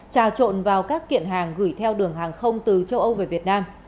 trà trộn vào các kiện hàng gửi theo đường hàng không từ châu âu về việt nam